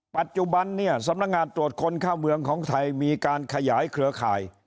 ปัจจุบันเนี่ยสำนักงานตรวจคนเข้าเมืองของไทยมีการขยายเครือข่าย